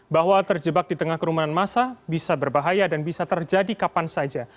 bahwa terjebak di tengah kerumunan masa bisa berbahaya dan bisa terjadi kapan saja